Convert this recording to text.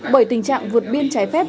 bởi tình trạng vượt biên trái phép